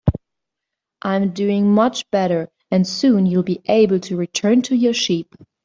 I'm doing much better, and soon you'll be able to return to your sheep.